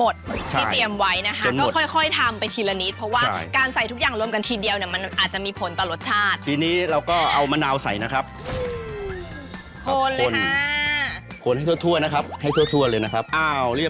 เดี๋ยวอันนี้เอาไปขายหน้าร้านเลยนะจ๊ะไปเลย